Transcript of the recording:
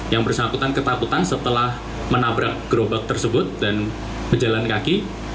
yang bersangkutan ketakutan setelah menabrak gerobak tersebut dan pejalan kaki